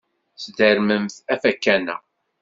Sdermemt afakan-a.